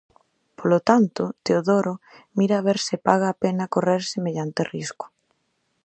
Polo tanto, Teodoro, mira a ver se paga a pena correr semellante risco.